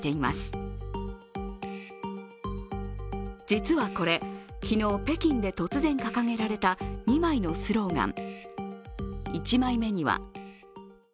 実はこれ、昨日北京で突然掲げられた２枚のスローガン。